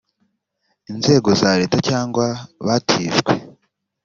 inzego za leta cyangwa batijwe